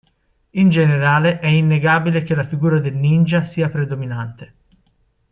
In generale, è innegabile che la figura del ninja sia predominante.